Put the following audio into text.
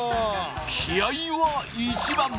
気合いは一番！